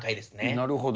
なるほど。